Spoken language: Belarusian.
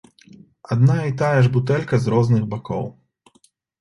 Адна і тая ж бутэлька з розных бакоў.